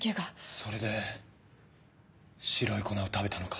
それで白い粉を食べたのか。